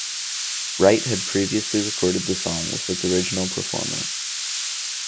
Wright had previously recorded the song with its original performer.